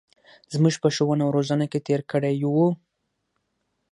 زمـوږ په ښـوونه او روزنـه کـې تېـر کـړى و.